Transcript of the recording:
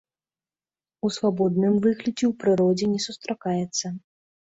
У свабодным выглядзе ў прыродзе не сустракаецца.